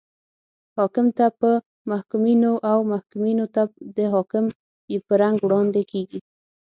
حاکم ته په محکومینو او محکومینو ته د حاکمانو په رنګ وړاندې کیږي.